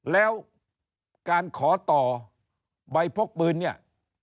แล้วการขอต่อใบพกปืนเนี่ย